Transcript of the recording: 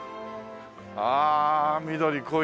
ああ緑濃い。